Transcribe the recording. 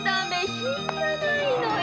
品がないのよ。